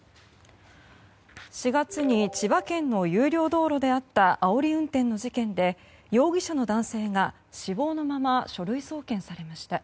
４月に千葉県の有料道路であったあおり運転の事件で容疑者の男性が死亡のまま書類送検されました。